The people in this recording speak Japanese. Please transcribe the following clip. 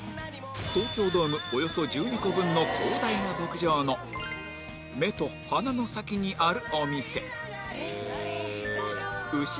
東京ドームおよそ１２個分の広大な牧場の目と鼻の先にあるお店